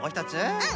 うん！